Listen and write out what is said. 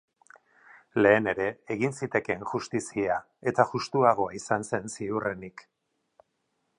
Lehen ere egin zitekeen justizia eta justuagoa izango zen ziurrenik.